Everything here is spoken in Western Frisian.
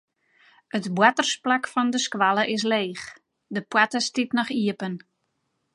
It boartersplak fan de skoalle is leech, de poarte stiet noch iepen.